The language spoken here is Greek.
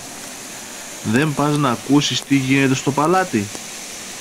Δεν πας ν' ακούσεις τι γίνεται στο παλάτι;